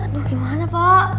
aduh gimana pak